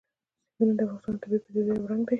سیندونه د افغانستان د طبیعي پدیدو یو رنګ دی.